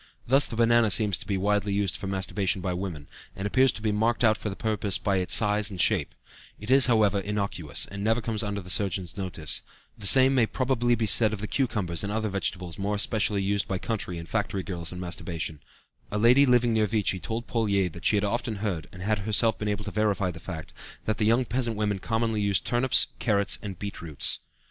Thus the banana seems to be widely used for masturbation by women, and appears to be marked out for the purpose by its size and shape; it is, however, innocuous, and never comes under the surgeon's notice; the same may probably be said of the cucumbers and other vegetables more especially used by country and factory girls in masturbation; a lady living near Vichy told Pouillet that she had often heard (and had herself been able to verify the fact) that the young peasant women commonly used turnips, carrots, and beet roots.